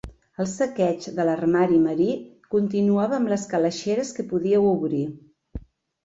El saqueig de l'armari marí continuava amb les calaixeres que podíeu obrir.